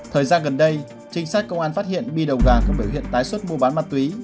thời gian gần đây trinh sát công an phát hiện bi đầu gà có biểu hiện tái xuất mua bán ma túy